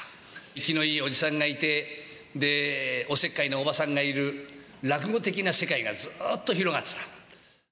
生きのいいおじさんがいておせっかいなおばさんがいる落語的な世界がずっと広がっていた。